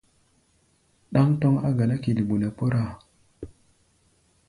Ɗáŋ tɔ́ŋ á ganá kilbo nɛ kpɔ́rá-a.